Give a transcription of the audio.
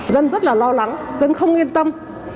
dân rất là lo lắng dân không yên tâm